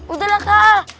udah lah kak